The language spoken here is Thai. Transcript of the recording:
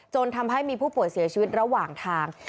จนทำให้มีผู้ป่วยเสียชีวิตระหว่างทาง